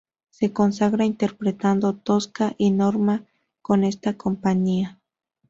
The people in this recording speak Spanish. Se consagra interpretando "Tosca" y "Norma" con esta compañía.